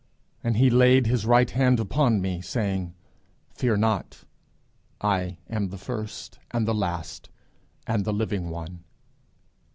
And he laid his right hand upon me, saying, Fear not; I am the first and the last and the Living one.'